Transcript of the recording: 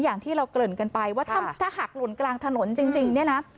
อย่างที่เราเกริ่นกันไปว่าถ้าหักหล่นกลางถนนจริงเนี่ยนะ